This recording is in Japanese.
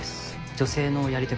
女性のやり手